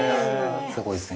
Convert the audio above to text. ◆すごいですね。